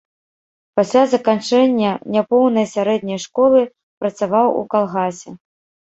Пасля заканчэння няпоўнай сярэдняй школы працаваў у калгасе.